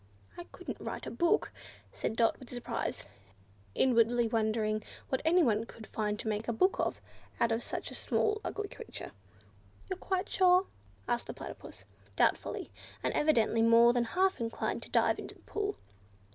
"I couldn't write a book," said Dot, with surprise inwardly wondering what anyone could find to make a book of, out of such a small, ugly creature. "You're quite sure?" asked the Platypus, doubtfully, and evidently more than half inclined to dive into the pool.